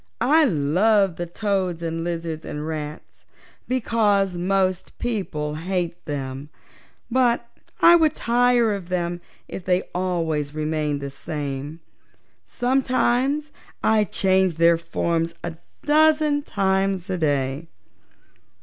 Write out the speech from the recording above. I love the toads and lizards and rats, because most people hate them, but I would tire of them if they always remained the same. Sometimes I change their forms a dozen times a day."